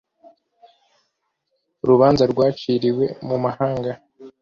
urubanza rwaciriwe mu mahanga